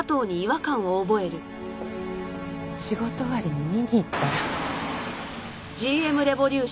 仕事終わりに見に行ったら。